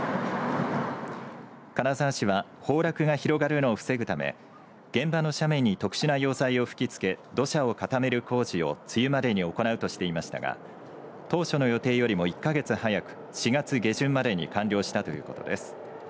金沢市は崩落が広がるのを防ぐため現場の斜面に特殊な溶剤を吹きつけ土砂を固める工事を梅雨までに行うとしていましたが当初の予定よりも１か月早く、４月下旬までに完了したということです。